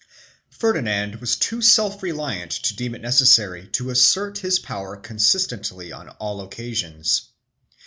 Ferdinand was too self reliant to deem it necessary to assert his power consistently on all occasions.